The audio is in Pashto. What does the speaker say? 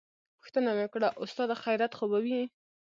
پوښتنه مې وکړه استاده خيريت خو به وي.